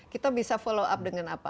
kita bisa follow up dengan apa